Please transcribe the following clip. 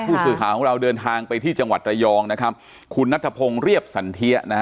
ผู้สื่อข่าวของเราเดินทางไปที่จังหวัดระยองนะครับคุณนัทพงศ์เรียบสันเทียนะ